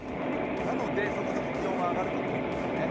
なので、そこそこ気温は上がると思うんですよね。